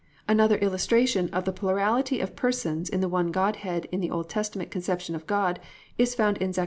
"+ 4. Another illustration of the plurality of persons in the one Godhead in the Old Testament conception of God is found in Zech.